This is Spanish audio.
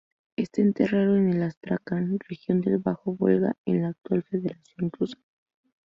Está enterrado en el Astracán región del Bajo Volga en la actual Federación Rusa.